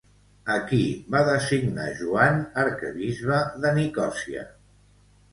A qui va designar Joan arquebisbe de Nicòsia?